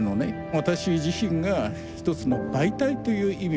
私自身が一つの媒体という意味をね